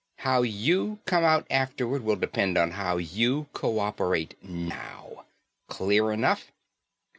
How you come out afterward will depend on how you co operate now. Clear enough?"